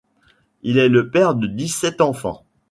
Il est le père de dix-sept enfants.